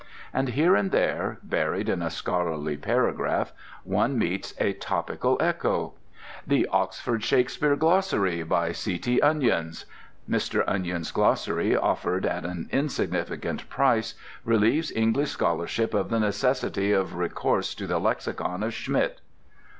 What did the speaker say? And here and there, buried in a scholarly paragraph, one meets a topical echo: "THE OXFORD SHAKESPEARE GLOSSARY: by C.T. ONIONS: Mr. Onions' glossary, offered at an insignificant price, relieves English scholarship of the necessity of recourse to the lexicon of Schmidt."